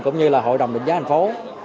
cũng như là hội đồng định giá thành phố